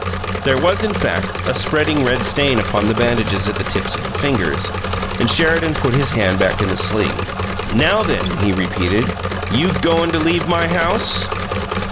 There was, in fact, a spreading red stain upon the bandages at the tips of the fingers, and Sheridan put his hand back in the sling. "Now then!" he repeated. "You goin' to leave my house?"